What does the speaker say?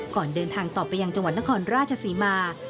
ก่อนเดินทางต่อไปยังจังหวัดนครราชศรีมา